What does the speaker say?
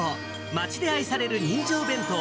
町で愛される人情弁当。